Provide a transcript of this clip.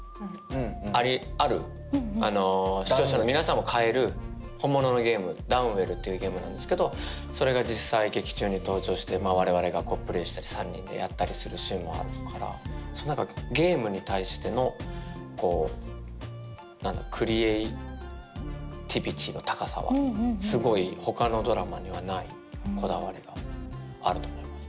うんうんあるあの視聴者の皆さんも買える本物のゲーム「Ｄｏｗｎｗｅｌｌ」っていうゲームなんですけどそれが実際劇中に登場して我々がプレイしたり３人でやったりするシーンもあるからそう何かゲームに対してのこうクリエイティビティーの高さはうんうんうんすごい他のドラマにはないこだわりがあると思います